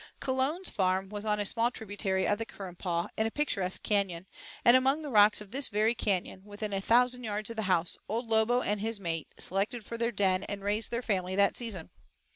Calone's farm was on a small tributary of the Currumpaw, in a picturesque canyon, and among the rocks of this very canyon, within a thousand yards of the house, Old Lobo and his mate selected their den and raised their family that season.